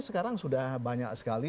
sekarang sudah banyak sekali